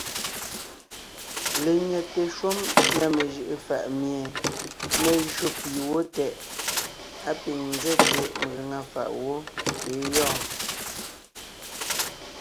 Lenyɛte shúm na mejʉʼʉ faʼ mie mé jÿó pì wó tɛʼ, á pîŋ nzɛ́te megaŋa fàʼ wó tà é gyɔɔn.